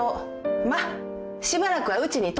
まっしばらくはうちに泊まり。